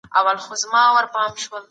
له ظلم څخه تېښته مي خوښه ده.